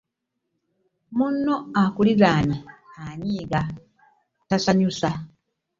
Munno akulinanye anyiga tasanyuse .